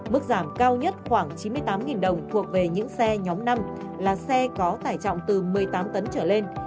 mức giảm cao nhất khoảng chín mươi tám đồng thuộc về những xe nhóm năm là xe có tải trọng từ một mươi tám tấn trở lên